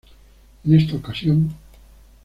En esta ocasión.